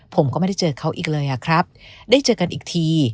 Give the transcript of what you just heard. ผมก็ไม่ได้เจอเขาอีกเลยอะครับได้เจอกันอีกที